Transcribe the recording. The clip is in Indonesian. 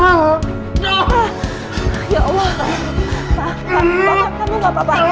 bapak kamu gak apa apa